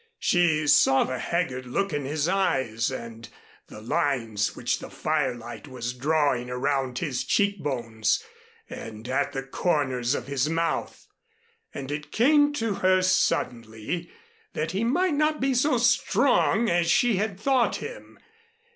She saw the haggard look in his eyes and the lines which the firelight was drawing around his cheek bones, and at the corners of his mouth; and it came to her suddenly that he might not be so strong as she had thought him.